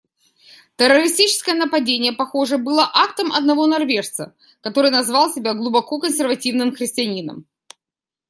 Террористическое нападение, похоже, было актом одного норвежца, который назвал себя глубоко консервативным христианином.